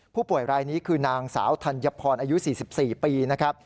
ผู้ป่วยรายนี้คือนางสาวธัญพรอายุ๔๔ปีนะครับ